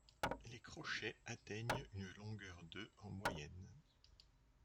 Les crochets atteignent une longueur de en moyenne.